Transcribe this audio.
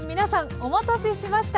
お待たせしました！